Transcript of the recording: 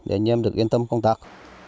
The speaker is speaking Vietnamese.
để anh em được yên tâm công tác